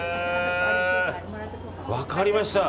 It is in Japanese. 分かりました。